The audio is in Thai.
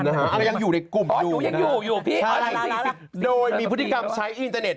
อะไรยังอยู่ในกลุ่มอยู่นะครับใช่โดยมีพฤติกรรมใช้อินเทอร์เน็ต